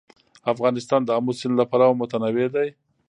افغانستان د آمو سیند له پلوه متنوع دی.